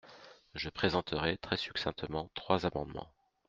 Je présenterai très succinctement trois amendements.